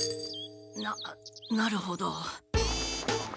ななるほど。